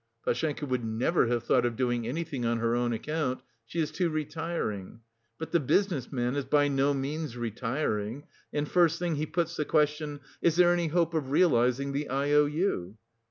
Pashenka would never have thought of doing anything on her own account, she is too retiring; but the business man is by no means retiring, and first thing he puts the question, 'Is there any hope of realising the I O U?